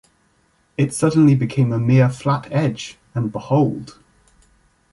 It suddenly became a mere flat edge, and behold!